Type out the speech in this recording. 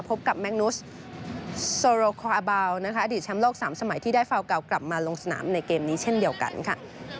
พบกับแมงนุสโซโรคออาบาวนะคะอดีตแชมป์โลก๓สมัยที่ได้ฟาวเก่ากลับมาลงสนามในเกมนี้เช่นเดียวกันค่ะ